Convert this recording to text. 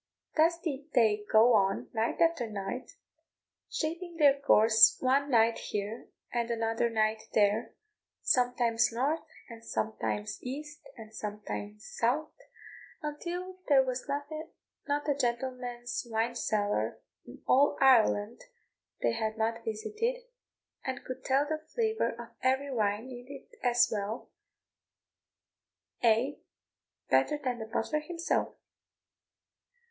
Thus did they go on, night after night, shaping their course one night here, and another night there; sometimes north, and sometimes east, and sometimes south, until there was not a gentleman's wine cellar in all Ireland they had not visited, and could tell the flavour of every wine in it as well, ay, better than the butler himself.